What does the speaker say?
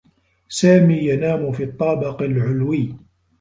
سامي ينام في الطّابق العلوي.